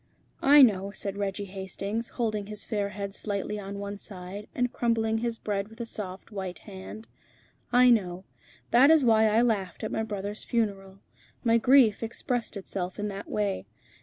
"I know," said Reggie Hastings, holding his fair head slightly on one side, and crumbling his bread with a soft, white hand "I know. That is why I laughed at my brother's funeral. My grief expressed itself in that way.